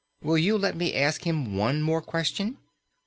Will you let me ask him one more question?"